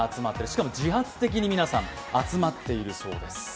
しかも自発的に皆さん、集まっているそうです。